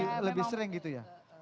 lebih sering gitu ya